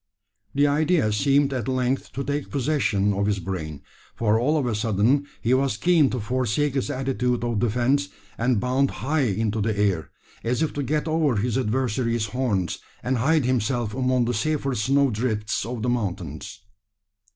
This idea seemed at length to take possession of his brain: for all on a sudden he was keen to forsake his attitude of defence, and bound high into the air as if to get over his adversary's horns, and hide himself among the safer snowdrifts of the mountains.